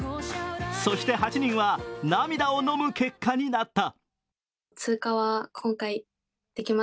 そして、８人は涙をのむ結果になった。